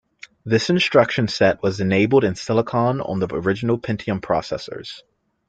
This instruction set was enabled in silicon on the original Pentium processors.